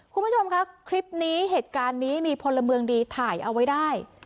คุณผู้ชมคะคลิปนี้เหตุการณ์นี้มีพลเมืองดีถ่ายเอาไว้ได้